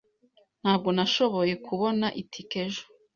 Ntabwo nashoboye kubona itike ejo.